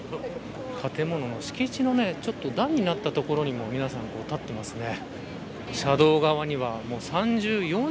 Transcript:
建物の敷地のちょっと段になった所に皆さん立ってますね。